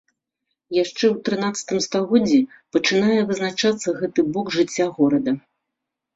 Яшчэ ў трынаццатым стагоддзі пачынае вызначацца гэты бок жыцця горада.